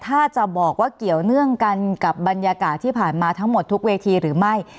ถ้าจะบอกว่าเกี่ยวเนื่องกันกับบรรยากาศที่ผ่านมาทั้งหมดทุกเวทีหรือไม่